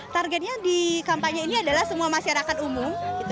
targetnya di kampanye ini adalah semua masyarakat umum